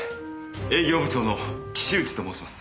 営業部長の岸内と申します。